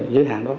giới hạn đó